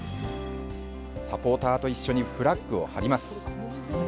サポーターと一緒にフラッグを張ります。